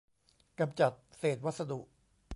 กำจัดเศษวัสดุ